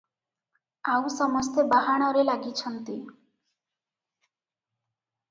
ଆଉ ସମସ୍ତେ ବାହାଣରେ ଲାଗିଛନ୍ତି ।